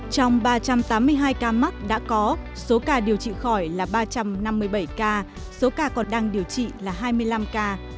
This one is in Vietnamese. trong ba trăm tám mươi hai ca mắc đã có số ca điều trị khỏi là ba trăm năm mươi bảy ca số ca còn đang điều trị là hai mươi năm ca